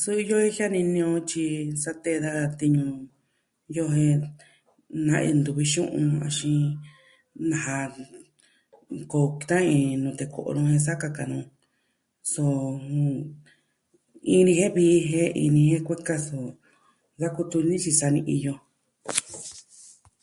Suu iyo iin jianini on tyi sa tee daja tiñu yo jen na iin ntuvi xu'un axin, nasa... koo ki tan iin nute ko'o nu jen sa kaka nu. So, jɨn... iin ni jen iin ni jen kueka so, nsa kutuni tyi saa ni iyo.